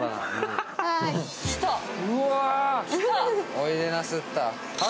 おいでなすった。